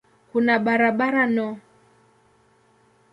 Kuna barabara no.